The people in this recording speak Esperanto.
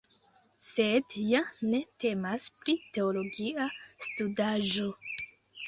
Sed ja ne temas pri teologia studaĵo.